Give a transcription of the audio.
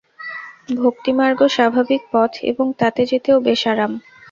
ভক্তিমার্গ স্বাভাবিক পথ এবং তাতে যেতেও বেশ আরাম।